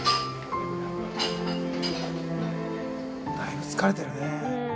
だいぶ疲れてるね。